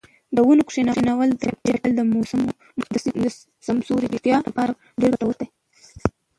د ونو کښېنول د چاپیریال د سمسورتیا لپاره ډېر ګټور دي.